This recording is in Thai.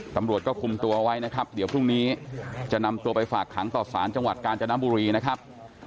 ตำรวจก็คุมตัวไว้นะครับเดี๋ยวพรุ่งนี้จะนำตัวไปฝากขังต่อสารจังหวัดกาญจนบุรีนะครับ